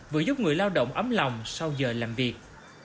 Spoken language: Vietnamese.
vừa giúp người lao động ấm lòng sau giờ làm việc